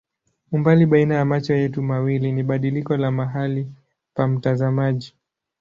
Umbali baina ya macho yetu mawili ni badiliko la mahali pa mtazamaji.